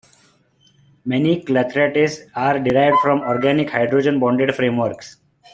Many clathrates are derived from organic hydrogen-bonded frameworks.